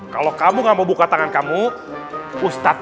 kalau kamu gak mau buka tangan kamu ustadz